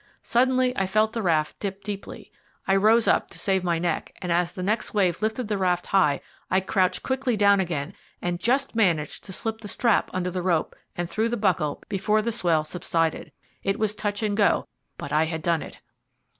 Suddenly I felt the raft dip deeply. I rose up to save my neck, and as the next wave lifted the raft high I crouched quickly down again, and just managed to slip the strap under the rope and through the buckle before the swell subsided. It was touch and go, but I had done it.